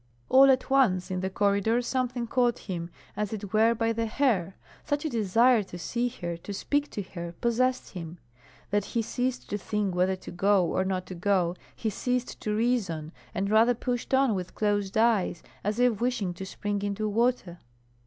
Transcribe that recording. All at once, in the corridor, something caught him as it were by the hair. Such a desire to see her, to speak to her, possessed him, that he ceased to think whether to go or not to go, he ceased to reason, and rather pushed on with closed eyes, as if wishing to spring into water.